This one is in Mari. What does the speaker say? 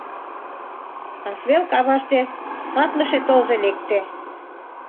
Касвел каваште катлыше тылзе лекте.